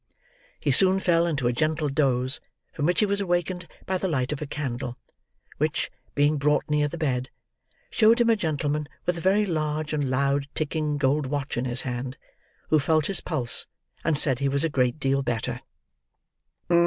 He soon fell into a gentle doze, from which he was awakened by the light of a candle: which, being brought near the bed, showed him a gentleman with a very large and loud ticking gold watch in his hand, who felt his pulse, and said he was a great deal better.